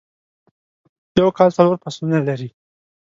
یو کال څلور فصلونه لری